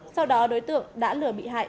sau đó đối tượng đã lừa bị hại